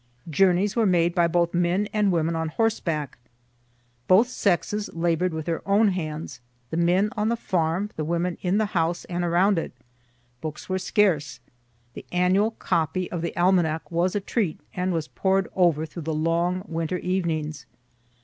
Journeys were made by both men and women on horseback. Both sexes labor'd with their own hands the men on the farm the women in the house and around it. Books were scarce. The annual copy of the almanac was a treat, and was pored over through the long winter evenings.